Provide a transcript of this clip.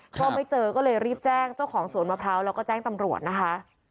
ก็ไม่เจอก็เลยรีบแจ้งเจ้าของสวนมะพร้าวแล้วก็แจ้งตำรวจนะคะ